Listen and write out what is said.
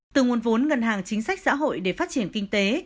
từ nguồn vốn ngân hàng chính sách xã hội để phát triển kinh tế